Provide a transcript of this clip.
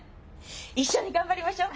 一緒に頑張りましょ！